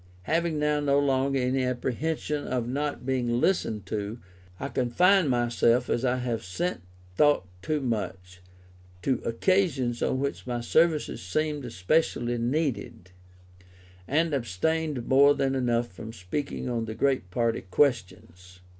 Having now no longer any apprehension of not being listened to, I confined myself, as I have since thought too much, to occasions on which my services seemed specially needed, and abstained more than enough from speaking on the great party questions.